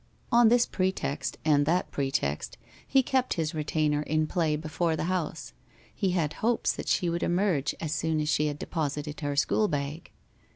On this pretext and that pretext, he kept his retainer in play before the house. He had hopes that she would emerge as soon as she had deposited her school bag.